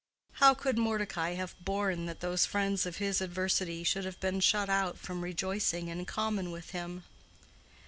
How could Mordecai have borne that those friends of his adversity should have been shut out from rejoicing in common with him?